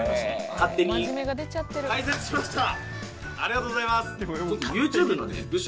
ありがとうございます！